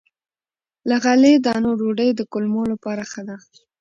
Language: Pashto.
له غلې- دانو ډوډۍ د کولمو لپاره ښه ده.